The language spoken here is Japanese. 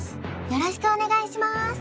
よろしくお願いします